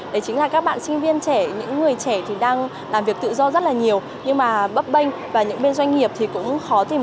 đấy chính là các bạn sinh viên trẻ những người trẻ thì đang làm việc tự do rất là nhiều nhưng mà bấp bênh và những bên doanh nghiệp thì cũng khó tìm